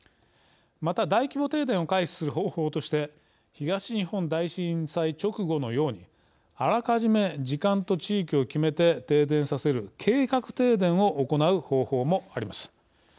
また大規模停電を回避する方法として東日本大震災直後のようにあらかじめ時間と地域を決めて停電させる計画停電を行う方法もあります。